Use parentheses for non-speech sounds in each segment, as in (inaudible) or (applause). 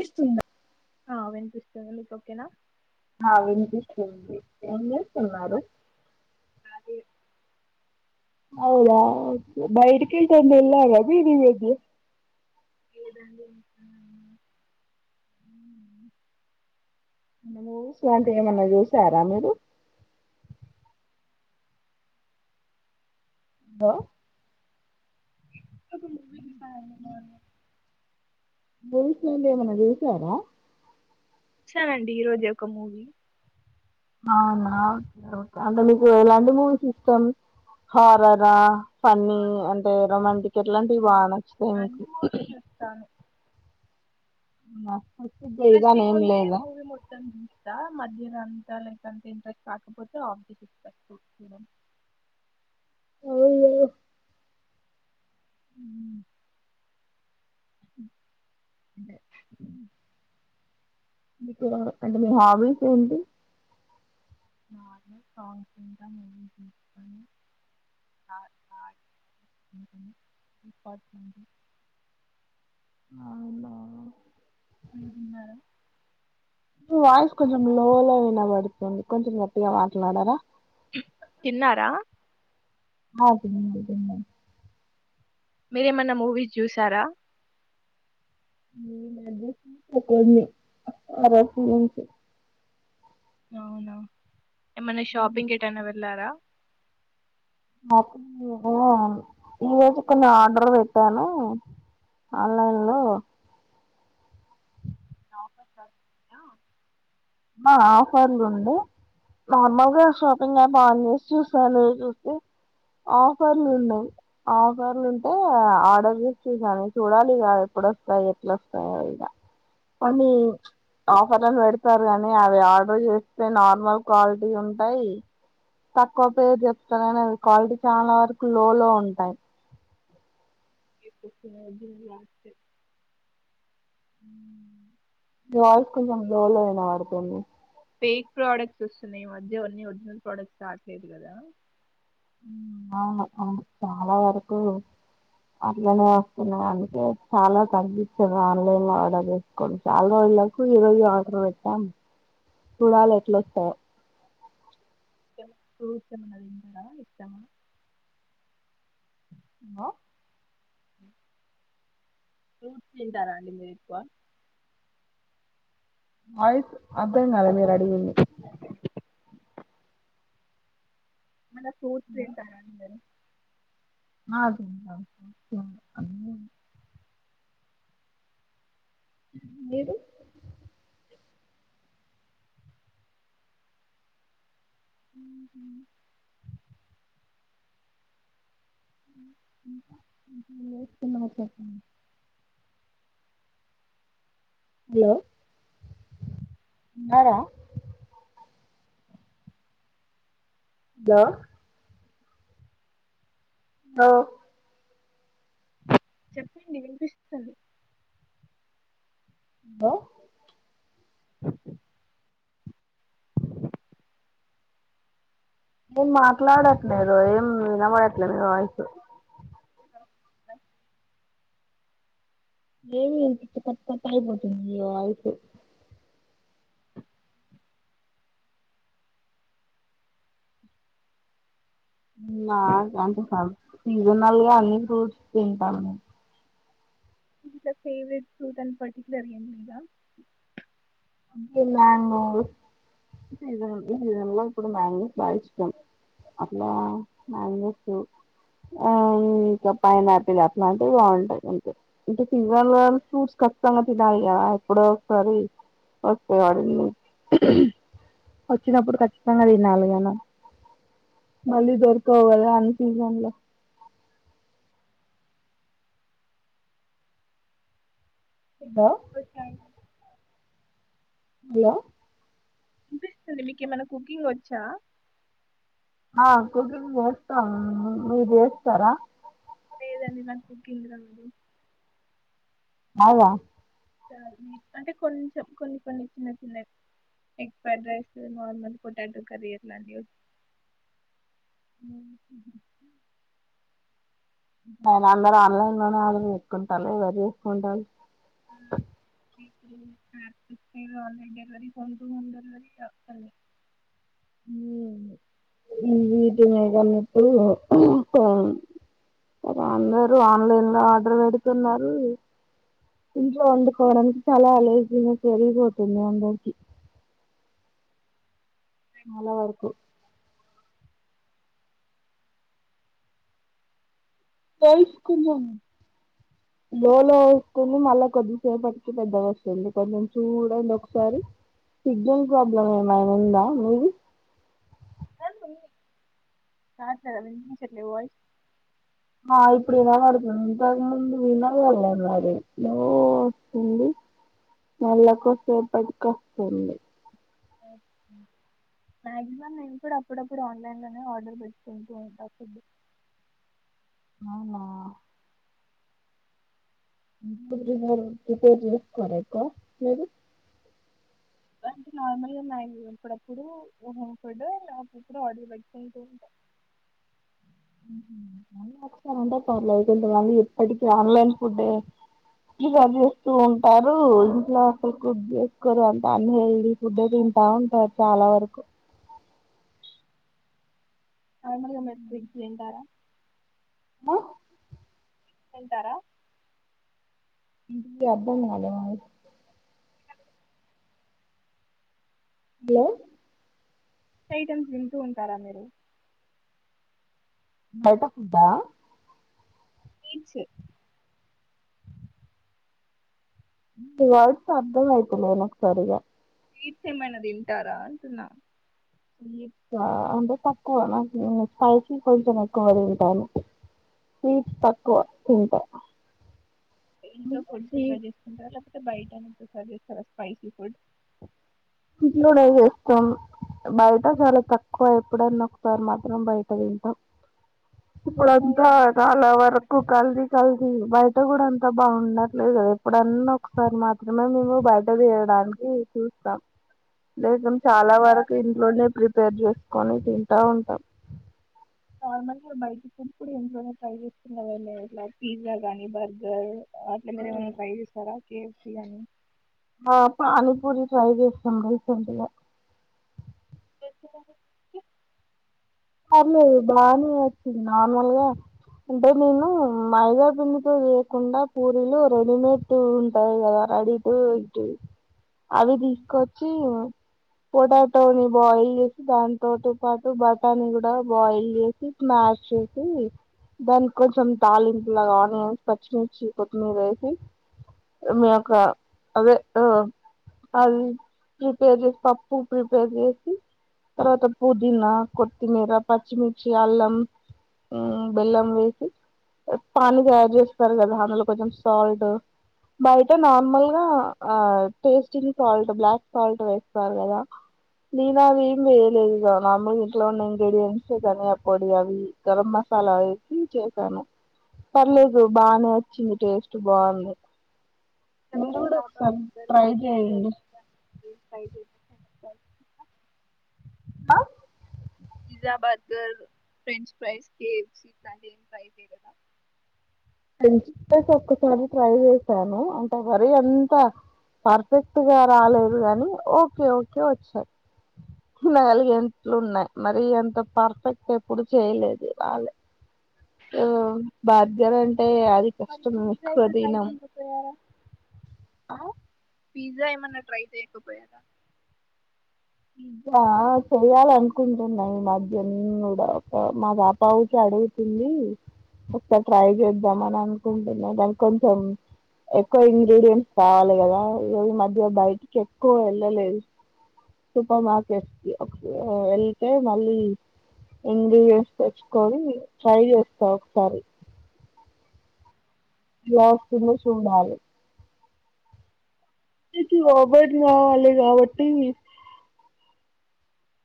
ఇస్తుంద? ఆ వినిపిస్తుంది నీకు ఓకేనా? ఆ వినిపిస్తుంది, ఏం జేస్ తున్నారు అదే అవునా, బయటికీ ఎటన్నా ఎల్లారా మీర్ ఈరోజు? లేదండి (inaudible) మన్న మూవీస్ లాంటివి ఏమన్నా చూసారా మీరు? హలో మొన్నొక మూవీ చూసానండి (inaudible) మూవీస్ లాంటి ఏమన్నా చూసారా? సానండి ఈరోజే ఒక మూవీ. అవునా, (unintelligible) అంటే మీకు ఇలాంటి మూవీస్ ఇష్టం? హారరా, ఫన్నీ అంటే? రొమాంటిక్ అన్ని ఎట్లాంటివి బాగా మూవీ- నచ్చుతయి అన్ని మీకు? మూవీస్ చూస్తాను ఆ ఇంట్రెస్టింగ్ ఉంటే మూవి మొత్తం జూస్తా, మద్ గిదంత అంతా అంత ఇంట్రెస్ట్ రాకపోతే ఆఫ్ జెస్ అవునా! ఉమ్ అంతే మీకు, అంటే మీ హాబీస్ ఏంటి? నార్మల్ సాంగ్స్ ఇంక మ్యూజిక్ వింటాను, నా నా (unintelligible) అవునా! మీరు తిన్నారా? మి వాయిస్ కొంచెం లోలా వినపడుతుంది కొంచెం గట్టిగా మాట్లాడారా? తిన్నారా? ఆ తిన్నం, తిన్నం. మీరేమన్నా మూవీస్ చూసారా? ఈమద్య చూసా కొన్ని (unintelligible) అవునా! ఏమన్న షాపింగ్ ఏటన్న వెళ్ళారా? (unintelligible) ఈరోజు కొన్ని ఆర్డర్లు పెట్టాను ఆన్లైన్లో. నార్మల్ డ్రెస్ ఆ ఆఫర్లు ఉండే నార్మల్గా షాపింగ్ యాప్ ఆన్ చేసి చూసాను, చూస్తే ఆఫర్లు ఉన్నయ్. ఆఫర్లు ఉంటే ఆర్డర్ చేసి చూసాను. చూడాలి ఇక ఎప్పుడోస్తాయి ఎట్లోస్తాయో ఇగ, కొన్ని ఆఫర్లను పెడిత్ స్తరు కానీ అవి ఆర్డర్ చేస్తే నార్మల్ క్వాలిటీ ఉంటాయి. తక్కువ పేరు చెప్తారు కాని అ క్వాలిటీ చాలా వరకు లో లో ఉంటాయి. (inaudible) కాస్ట్ కొంచం లో లో ఐన పడ్తుంది. ఫేక్ ప్రోడక్ట్స్ వస్తున్నాయి ఈ మధ్య అని ఒరిజినల్ ప్రోడక్ట్స్ రావట్లేదు కదా అవును అవును చాలా వరకు అట్లనే వస్తున్నాయి అందుకే చాలా తగ్గించదు ఆన్లైన్ లో ఆర్డర్ చేసుకోవడం చాలా రోజులకు ఈ రోజు ఆర్డర్ పెట్టాం చూడాల ఎట్లొస్తాయో ఫ్రూట్స్ ఏమన్నా తింటారా ఇష్టంగా హ ఫ్రూట్స్ తింటారా అండి (unintelligible) అయి అర్థం కదా మీరు అడిగింది ఏమన్నా ఫ్రూట్స్ తింటారా అండి మీరు (unintelligible) మీరు ఉహు (unintelligible) హలో ఉన్నారా బా ఓ చెప్పండి వినిపిస్తుది బో ఏం మాట్లాడట్లేదు ఏం వినబడట్లేదు (unintelligible) వాయిస్ ఏమి కట్ పోతుంది నీ వాయిస్ నాకంటే స సీజనల్ గా అన్ని ఫ్రూట్స్ తింటాము మేము ఇకా ఫేవరెట్ ఫ్రూట్ అని పర్టిక్యులర్ గా ఏం లేదా మ్యాంగోస్ సీజన్ ఈ సీజన్ లో ఇప్పుడు మ్యాంగోస్ బాగా ఇష్టం అట్లా మ్యాంగోస్ ఇంకా పైనాపిల్ అట్లా అంటవి బాగుంటాయి అంతే అంటే సీజన్ లో ఫ్రూట్స్ ఖచ్చితంగా తినాలి కదా ఎప్పుడో ఒకసారి వస్తేవాడివి వచ్చినప్పుడు ఖచ్చితంగా తినాలిగాన మళ్ళీ దొరుకవు కదా అన్ని సీజన్ లో (unintelligible) హలో. (unintelligible) మీకు ఏమైనా కుకింగ్ వచ్చా ఆ కుకింగ్ చేస్తాం మీరు చేస్తారా లేదండి నాకు కుకింగ్ రాదు రధ అంటే కొంచెం కొన్ని కొన్ని చిన్న చిన్న egg fried rice normal potato curry అట్లాంటివి మ్మ్ నేన అందరు ఆన్లైన్ లోనే (unintelligible) ఎవరు చేసుకుంటారు (inaudible) ఈ వీటి మీ కాన్న ఇప్పుడు అందరు ఆన్లైన్ లో ఆర్డర్ పెడుతున్నారు ఇంకాలో వండుకోవడానికి చాలా లాజిక్ పెరిగిపోతుంది అందరికి చాలావరకు (unintelligible) మళ్ళా కొద్దిసేపటికి పెద్ద వస్తుంది కొంచెం చూడండి ఒకసారి సిగ్నల్ ప్రాబ్లం ఏమై ఉందా మీది ఆ సరే వినిపించట్లే వాయిస్ ఆ ఇప్పుడు వినబడుతుంది ఇంతకు ముందు వినపడల మరి స్లో వస్తుంది మల్ల కొదసేపటికి వస్తుంది ఓ మ్యాక్సిమం నేను కూడా అప్పుడప్పుడు ఆన్లైన్ లోనే ఆర్డర్ పెట్టుకుంటూ ఉంటా ఫుడ్ అవునా ఫుడ్ ప్రిపేర్ చేసుకోరా ఎక్కువ మీరు అంటే నార్మల్గాన్నా అప్పుడప్పుడు (unintelligible) లేకపోతే ఆర్డర్ పెట్టుకుంటా ఉంటా (unintelligible) ఎప్పటిక ఆన్లైన్ ఫుడ్ చేస్తూ ఉంటారు ఇంట్లో అసలు ఫుడ్ చేసుకోరు అంత అన్ని హెల్దీ ఫుడ్ తింట ఉంటారు చాలా వరకు ఆ మళ్ళా మీ ఫ్రెండ్స్ తింటారా (unintelligible) తింటారా (unintelligible) అర్ధం కాలే మై హలో ఐటమ్స్ వింటూ ఉంటారా మీరు బయట ఫుడ్ ఆ స్వీట్స్ మీ వాయిస్ అర్థమైత లేదు నాకు సరిగా స్వీట్స్ ఏమైనా తింటారా అంటున్నా స్వీట్స్ ఆ అంటే తక్కువ స్పైసీ కొంచెం ఎక్కువ తింటాను స్వీట్స్ తక్కువ తింటే ఇంట్లో కొంచెం (unintelligible) చేసుకుంటారు బయటనే ప్రిఫర్ చేస్తారా స్పైసీ ఫుడ్ ఇంట్లోనే చేస్తాం బయట చాలా తక్కువ ఎప్పుడన్నా ఒకసారి మాత్రం బయట తింటాం ఇప్పుడంతా ఏమైనా? చాలా వరకు కల్తీ కల్తీ బయట కూడా అంతా బాగుండట్లేదు కదా ఎప్పుడన్నా ఒకసారి మాత్రమే మేము బయట తీయడానికి చూస్తాం (unintelligible) చాలా వరకు ఇంట్లోనే ప్రిపేర్ చేసుకొని తింటా ఉంటాం నార్మల్ గా బయటి ఫుడ్ కూడా ఇంట్లోనే ట్రై చేసుకునే (unintelligible) పిజ్జాగానీ బర్గర్ అట్ల మీరు ఏమైనా ట్రై చేస్తరా కే ఫ్ సి కానీ పానీపూరి ట్రై చేస్తాం రీసెంట్ల పర్లేదు బానే వచ్చింది నార్మల్గా అంటే నేను మైదా పిండితో వేయకుండా పూరీలు రెడీమేడ్ ఉంటాయి కదా రెడీ (unintelligible) అవి తీసుకొచ్చి పొటాటోని బాయిల్ చేసి దాంతోటి పాటు బ దాని కూడా బాయిల్ చేసి స్మాష్ చేసి దానికి కొంచెం తాలింపు లాగా ఆనియన్స్ పచ్చిమిర్చి కొత్తిమీర వేసి మీ యొక్క అదే అది ప్రిపేర్ చేసి పప్పు ప్రిపేర్ చేసి తర్వాత పుదీనా కొత్తిమీర పచ్చిమిర్చి అల్లం మ్మ్ బెల్లం వేసి పానీ తయారు చేస్తారు కదా అందులో కొంచెం సాల్ట్ బయట నార్మల్గా ఆ టేస్టింగ్ సాల్ట్ బ్లాక్ సాల్ట్ వేస్తారు కదా నేను అవేం వేయలేదు నార్మల్ ఇంట్లో ఉన్న ఇంగ్రీడియంంట్స్ ధనియా పొడి అవి గరం మసాలా వేసి చేసాను పర్లేదు బానే వచ్చింది టేస్ట్ బాగుంది మీరు కూడా ఒకసారి ట్రై చేయండి (inaudible) ఫ్రైస్ ఆ pizza burger french fries cakes ఇట్లాంటివి ట్రై చేయలేదా ఫ్రెంచ్ ఫ్రైస్ ఒక్కసారి ట్రై చేశాను అంటే మరి అంత పర్ఫెక్ట్గా రాలేదు గాని ఓకే ఓకే వచ్చారు (unintelligible) ఎట్లు ఉన్నాయి మరి అంత పర్ఫెక్ట్ ఎప్పుడు చేయలేదు రాలేదు బర్గర్ ఆన్ టే అది మరి కష్టం పిజ్జా నాకు ఇట్లా అది ట్రై నా చేయకపోయారా ఆ పిజ్జా ఏమన్నా ట్రై చేయకపోయారా ఇకా చెయ్యాల అనుకుంటున్నాయి ఈ మధ్య నేను కూడా ఒక మా పపాప ఉరికే అడుగుతుంది ఒక్కసారి ట్రై చేద్దామ అని అనుకుంటున్నా దానికి కొంచెం ఎక్కువ ఇంగ్రీడియంంట్స్ కావాలి కదా ఈ రోజు మధ్య బయటికి ఎక్కువ వెళ్ళలేదు సూపర్ మార్కెట్స్కి వెళ్తే మళ్ళీ ఇంగ్రెడింట్స్ తెచ్చుకొని ట్రై చేస్తా ఒకసారి ఎలావస్తుంది చూడాలి ఓవెన్ కావాలి కాబట్టి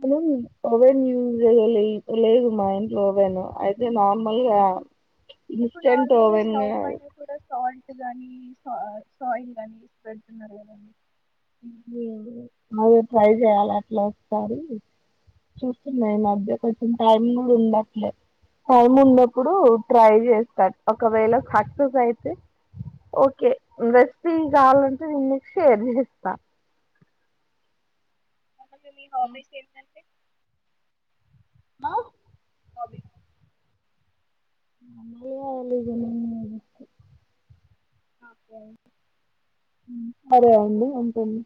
మనం ఓవెన్ యూజ చేయలే లేదు మా ఇంట్లో ఓవెన్ అయితే నార్మల్గా మీకు ఇన్స్టెంట్ నార్మల్ గా ఓవెన్ స్టవ్ పైన కూడా (unintelligible) గానీ సాయిల్ గానీ పేడుతున్నారు కద అదే ట్రై చేయాలి అట్లా ఒకస్తారి చూస్తున్నా ఈ మధ్య కొంచెం టైం కూడా ఉండట్లేదు టైం ఉన్నప్పుడు ట్రై చేస్తా ఒకవేళ సక్సెస్ అయితే ఓకే రెసిపీ కావాలంటే నేను మీకు షేర్ చేస్తా అసలు మీ హాబీస్ ఎంట మా హబి (unintelligible) మాకేంట! (unintelligible) సరే అండి, ఉంటాన్.